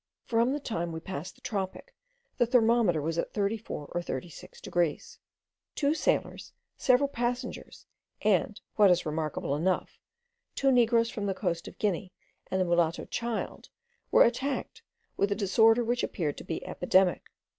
From the time we passed the tropic, the thermometer was at thirty four or thirty six degrees. Two sailors, several passengers, and, what is remarkable enough, two negroes from the coast of Guinea, and a mulatto child, were attacked with a disorder which appeared to be epidemic.